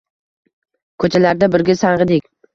Ko’chalarda birga sang’idik.